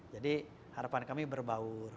jadi harapan kami berbaur